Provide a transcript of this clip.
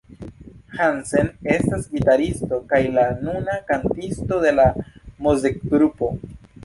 Hansen estas gitaristo kaj la nuna kantisto de la muzikgrupo.